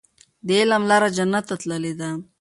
د علم لاره جنت ته تللې ده.